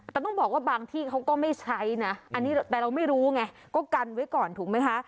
แต่ต้องบอกว่าบางที่เขาก็ไม่ใช้นะอันนี้แต่เราไม่รู้ไงก็กันไว้ก่อนถูกไหมคะ